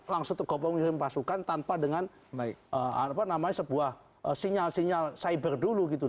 langsung ke gopro mengirim pasukan tanpa dengan apa namanya sebuah sinyal sinyal cyber dulu gitu